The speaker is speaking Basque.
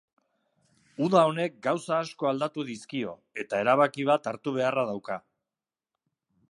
Uda honek gauza asko aldatu dizkio eta erabaki bat hartu beharra dauka.